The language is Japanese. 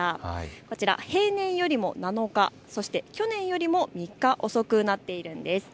こちら平年よりも７日、そして去年よりも３日、遅くなっているんです。